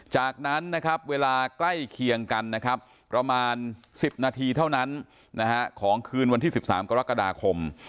จากนั้นนะครับเวลาใกล้เคียงกันนะครับประมาณ๑๐นาทีเท่านั้นของคืนวันที่๑๓กรกฎาคม